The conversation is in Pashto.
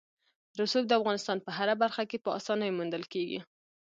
رسوب د افغانستان په هره برخه کې په اسانۍ موندل کېږي.